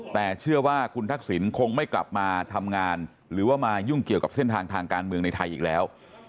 แต่เชื่อว่าคุณทักษิณคงไม่กลับมาทำงานหรือว่ามายุ่งเกี่ยวกับเส้นทางทางการเมืองในไทยอีกแล้ว